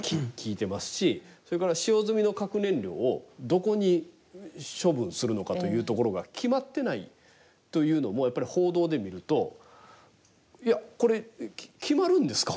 それから使用済みの核燃料をどこに処分するのかというところが決まってないというのもやっぱり報道で見るといやこれ決まるんですか？